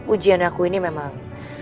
ujian aku ini memang